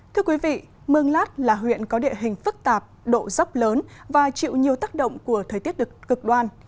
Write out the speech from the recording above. thưa quý vị mương lát là huyện có địa hình phức tạp độ dốc lớn và chịu nhiều tác động của thời tiết cực đoan